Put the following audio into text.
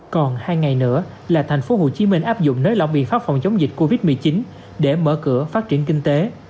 còn hai ngày nữa là tp hcm áp dụng nơi lỏng bị phát phòng chống dịch covid một mươi chín để mở cửa phát triển kinh tế